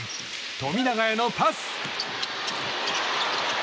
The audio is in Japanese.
富永へのパス。